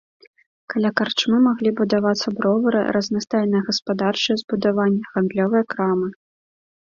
Каля карчмы маглі будавацца бровары, разнастайныя гаспадарчыя збудаванні, гандлёвыя крамы.